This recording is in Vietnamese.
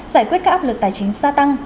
giải quyết các áp lực tài chính gia tăng